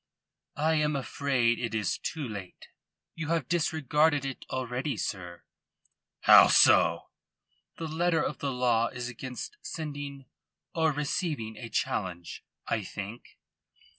"I am afraid it is too late. You have disregarded it already, sir." "How so?" "The letter of the law is against sending or receiving a challenge, I think."